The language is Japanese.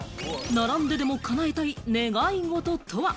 並んででも叶えたい願いごととは？